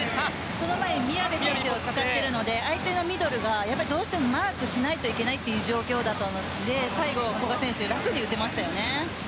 その前に宮部を使っているので相手のミドルはマークしなければいけない状況だったので最後、古賀選手は楽に打てました。